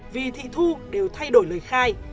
vì thị thu đều thay đổi lời khai